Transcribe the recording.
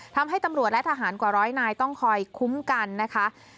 ทำให้ตำรวจและทหารกว่าร้อยนายต้องคอยคุ้มกันนะคะ